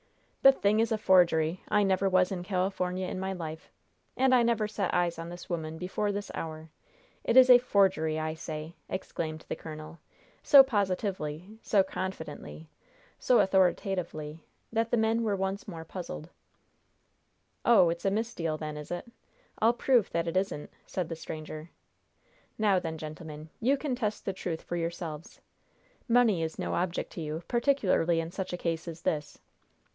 "The thing is a forgery! I never was in California in my life! And I never set eyes on this woman before this hour! It is a forgery, I say!" exclaimed the colonel, so positively, so confidently, so authoritatively that the men were once more puzzled. "Oh, it's a misdeal, then, is it? I'll prove that it isn't!" said the stranger. "Now, then, gentlemen, you can test the truth for yourselves. Money is no object to you, particularly in such a case as this.